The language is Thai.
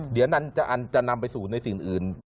เดี๋ยวอันจะนำไปสู่ในสิ่งอื่น